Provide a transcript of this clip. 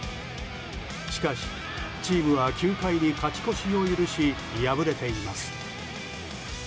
しかし、チームは９回に勝ち越しを許し、敗れています。